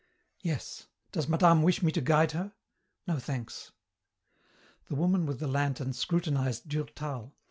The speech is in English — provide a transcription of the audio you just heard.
"Yes. Does madame wish me to guide her?" "No, thanks." The woman with the lantern scrutinized Durtal.